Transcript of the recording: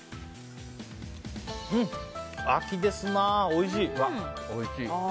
秋ですな、おいしい。